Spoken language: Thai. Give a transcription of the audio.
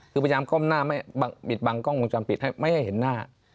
คือพยายามก้มหน้าไม่ปิดบังกล้องวงจรปิดให้ไม่ให้เห็นหน้า